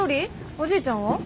おじいちゃんは？